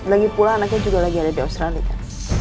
lagipula anaknya juga lagi ada di australia